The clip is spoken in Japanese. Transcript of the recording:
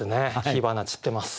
火花散ってます。